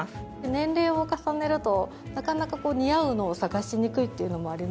年齢を重ねるとなかなかこう似合うのを探しにくいっていうのもあります